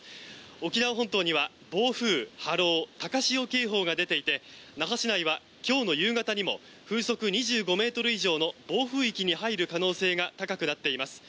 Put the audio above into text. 沖縄本島には暴風、波浪、高潮警報が出ていて那覇市内は今日の夕方にも風速２５ｍ以上の暴風域に入る可能性が高くなっています。